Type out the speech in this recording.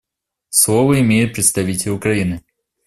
Слово имеет представитель Украины.